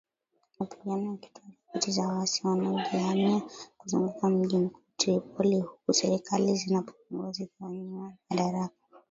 mapigano ikitoa ripoti za waasi wanaojihami kuzunguka mji mkuu Tripoli huku serikali zinazopingana zikiwanyima madaraka